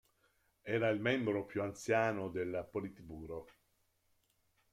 Era il membro più anziano del Politburo.